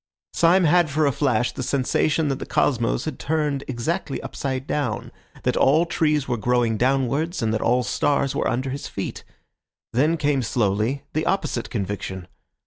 Syme had for a flash the sensation that the cosmos had turned exactly upside down, that all trees were growing downwards and that all stars were under his feet. Then came slowly the opposite conviction.